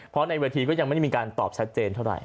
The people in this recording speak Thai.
เพราะในเวทีก็ยังไม่ได้มีการตอบชัดเจนเท่าไหร